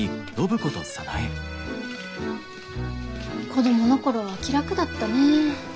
子供の頃は気楽だったねぇ。